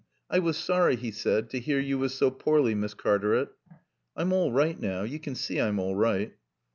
"I was sorry," he said, "to hear yo was so poorly, Miss Cartaret." "I'm all right now. You can see I'm all right."